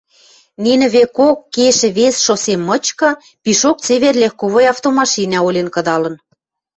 нинӹ векок кешӹ вес шоссе мычкы пишок цевер легковой автомашинӓ олен кыдалын.